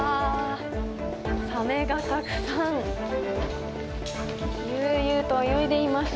サメがたくさん悠々と泳いでいます。